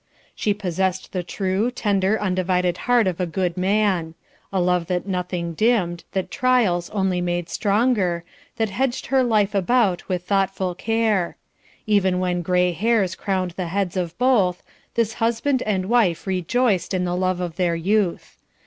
She possessed the true, tender, undivided heart of a good man a love that nothing dimmed, that trials only made stronger, that hedged her life about with thoughtful care; even when grey hairs crowned the heads of both, this husband and wife rejoiced in the love of their youth.